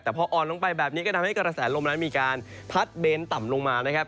แต่พออ่อนลงไปแบบนี้ก็ทำให้กระแสลมนั้นมีการพัดเบนต่ำลงมานะครับ